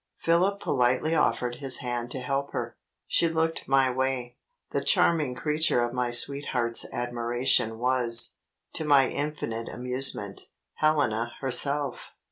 Philip politely offered his hand to help her. She looked my way. The charming creature of my sweetheart's admiration was, to my infinite amusement, Helena herself.